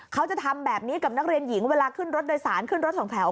เขาจะทำแบบนี้กับนักเรียนหญิงเวลาขึ้นรถโดยสารขึ้นรถสองแถว